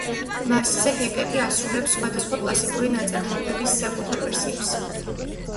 მასზე ჰეკეტი ასრულებს სხვადასხვა კლასიკური ნაწარმოებების საკუთარ ვერსიებს.